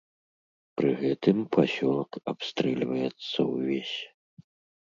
Пры гэтым пасёлак абстрэльваецца ўвесь.